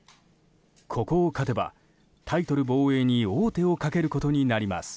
ここを勝てば、タイトル防衛に王手をかけることになります。